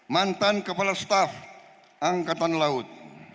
mantan kepala staf angkatan laut